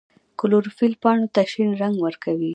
کلوروفیل پاڼو ته شین رنګ ورکوي